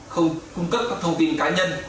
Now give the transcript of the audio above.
không cung cấp các thông tin cá nhân